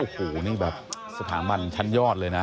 โอ้โหนี่แบบสถาบันชั้นยอดเลยนะ